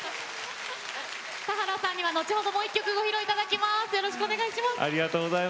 田原さんには、後ほどもう１曲ご披露いただきます。